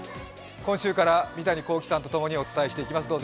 今週から三谷幸喜さんとともにお伝えしていきます。